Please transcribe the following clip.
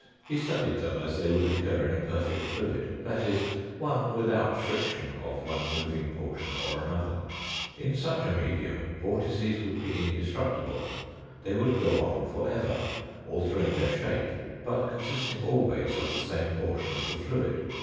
He studied them as they would occur in a perfect fluid that is, one without friction of one moving portion or another. In such a medium vortices would be inde structible. They would go on for ever, altering their shape, but consisting always of the same portion of the fluid.